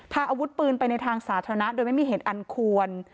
พาอาวุธปืนไปในทางสาธารณะโดยไม่มีเหตุอันควร